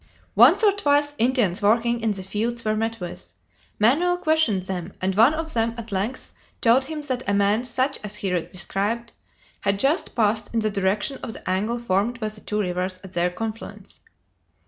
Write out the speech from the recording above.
Once or twice Indians working in the fields were met with. Manoel questioned them, and one of them at length told him that a man, such as he described, had just passed in the direction of the angle formed by the two rivers at their confluence.